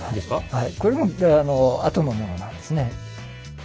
これもあの後のものなんですね。